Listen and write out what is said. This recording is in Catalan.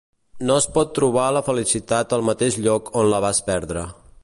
No es pot trobar la felicitat al mateix lloc on la vas perdre.